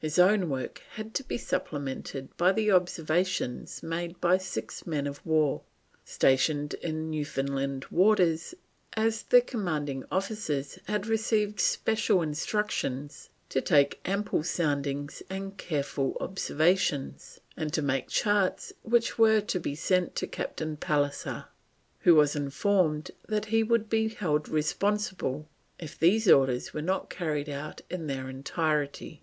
His own work had to be supplemented by the observations made by six men of war stationed in Newfoundland waters as their commanding officers had received special instructions to take ample soundings and careful observations, and to make charts which were to be sent to Captain Pallisser, who was informed that he would be held responsible if these orders were not carried out in their entirety.